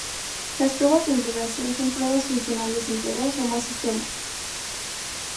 Las pruebas de integración son pruebas funcionales entre dos o más sistemas.